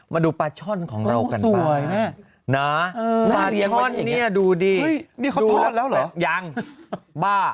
มาดูปลาช่อนของเรากันบ้างนะปลาช่อนนี่ดูดีดูแล้วเหรอยังบ้า